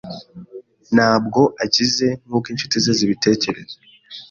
ntabwo akize nkuko inshuti ze zibitekereza.